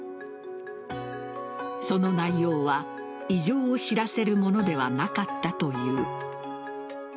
その内容は異常を知らせるものではなかったという。